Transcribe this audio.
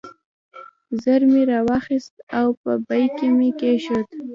ژر مې راواخیست او په بیک کې مې کېښود.